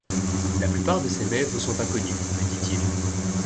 La plupart de ces mets vous sont inconnus, me dit-il.